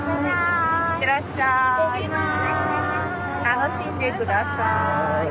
楽しんで下さい。